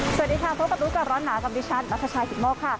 สวัสดีค่ะพบประตูกับร้อนหนากับดิฉันนักฐาชายหิตโมกค่ะ